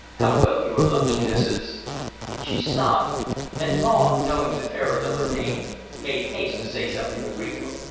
How well you are looking, Mrs. " She stopped; and Maw, knowing the terrors of her name, made haste to say something agreeable.